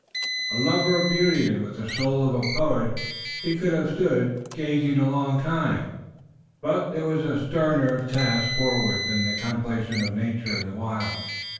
A lover of beauty, and with the soul of a poet, he could have stood, gazing a long time, but there was a sterner task forward than the contemplation of nature in the wild.